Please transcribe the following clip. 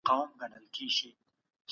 دروغ د مینې لپاره خوندور کیدی سي.